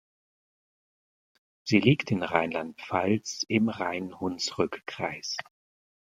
Sie liegt in Rheinland-Pfalz im Rhein-Hunsrück-Kreis.